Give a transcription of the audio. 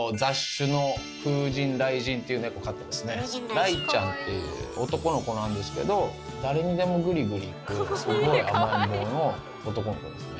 雷ちゃんっていう男の子なんですけど誰にでもグリグリいくすごい甘えん坊の男の子ですね。